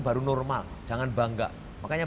baru normal jangan bangga makanya